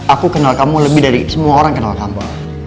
aku kenal kamu lebih dari semua orang kenal kamu